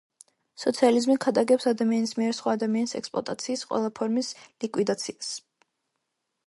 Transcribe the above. სოციალიზმი ქადაგებს ადამიანის მიერ სხვა ადამიანის ექსპლუატაციის ყველა ფორმის ლიკვიდაციას.